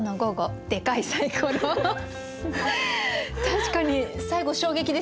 確かに最後衝撃ですね。